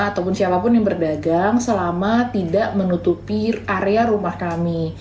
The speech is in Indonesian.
ataupun siapapun yang berdagang selama tidak menutupi area rumah kami